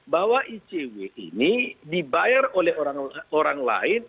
bahwa icw ini dibayar oleh orang lain